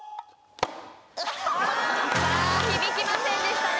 響きませんでしたね